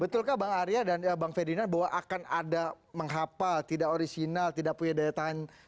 betulkah bang arya dan bang ferdinand bahwa akan ada menghapal tidak orisinal tidak punya daya tahan